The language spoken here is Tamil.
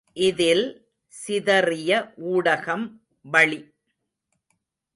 இதில் சிதறிய ஊடகம் வளி.